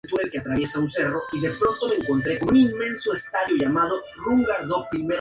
Sus compañeros lo apodaban "Pepe" o "El Cabezón".